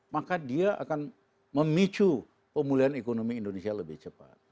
maka dia akan memicu pemulihan ekonomi indonesia lebih cepat